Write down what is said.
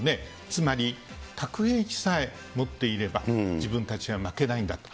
つまり核兵器さえ持っていれば、自分たちは負けないんだと。